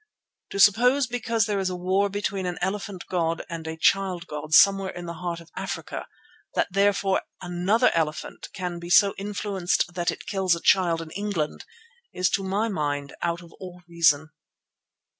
To suppose because there is a war between an elephant god and a child god somewhere in the heart of Africa, that therefore another elephant can be so influenced that it kills a child in England, is to my mind out of all reason."